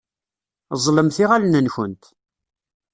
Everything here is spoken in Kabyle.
Ẓẓlemt iɣallen-nkumt.